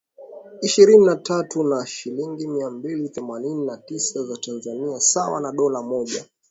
ishirini na tatu na shilingi mia mbili themanini na tisa za Tanzania sawa na dola mmoja